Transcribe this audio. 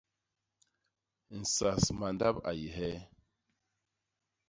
Nsas mandap a yé hee?